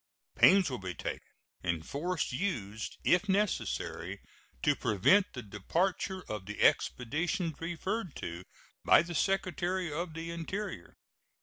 Pains will be taken, and force used if necessary, to prevent the departure of the expeditions referred to by the Secretary of the Interior.